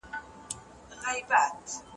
ايا د اقتصاد د ودې لپاره پانګه کافي ده؟